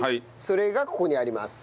それがここにあります。